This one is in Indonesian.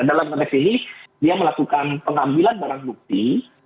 dalam konteks ini dia melakukan pengambilan barang bukti